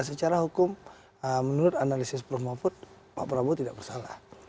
secara hukum menurut analisis prof mahfud pak prabowo tidak bersalah